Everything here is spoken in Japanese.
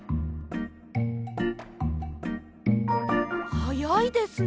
はやいですね。